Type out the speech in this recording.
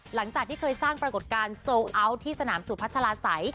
หลังจากที่เคยสร้างปรากฏการณ์โซลอัลที่สนามสุพัชลาศัย